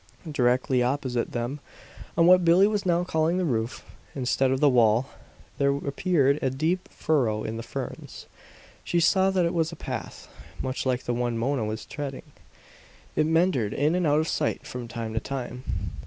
Directly opposite them, on what Billie was now calling the roof, instead of the wall, there appeared a deep furrow in the ferns. She saw that it was a path, much like the one Mona was treading; it meandered in and out of sight from time to time.